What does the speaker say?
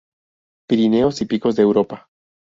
Pirineos y Picos de Europa.